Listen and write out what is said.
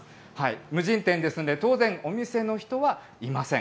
無人店ですので、当然、お店の人はいません。